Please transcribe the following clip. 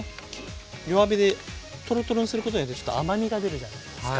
弱火でトロトロにすることによってちょっと甘みが出るじゃないですか。